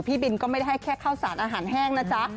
พี่บินก็ไม่ได้ให้แค่ข้าวสารอาหารแห้งนะจ๊ะ